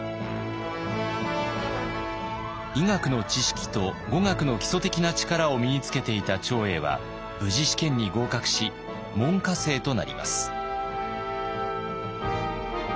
医学の知識と語学の基礎的な力を身につけていた長英は無事試験に合格し門下生となります。